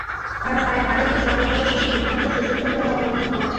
তারা পায়ে পাড়া দিয়ে ঝগড়া করার কৌশল অত্যন্ত সুচতুরভাবে অবলম্বন করেছে।